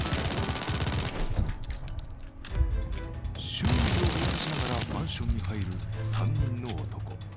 周囲を見渡しながらマンションに入る３人の男。